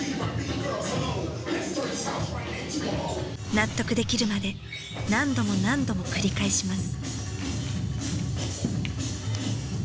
納得できるまで何度も何度も繰り返します。